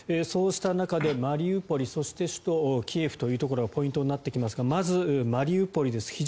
そうした中でマリウポリそして首都キエフというところがポイントになってきますがまずマリウポリです。